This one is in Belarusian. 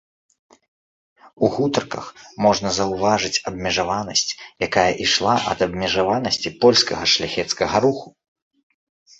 У гутарках можна заўважыць абмежаванасць, якая ішла ад абмежаванасці польскага шляхецкага руху.